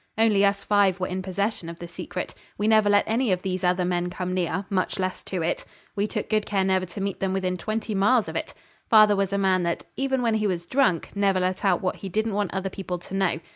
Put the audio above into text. Only us five were in possession of the secret. We never let any of these other men come near, much less to it. We took good care never to meet them within twenty miles of it. Father was a man that, even when he was drunk, never let out what he didn't want other people to know.